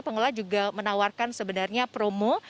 pengelola juga menawarkan sebenarnya promo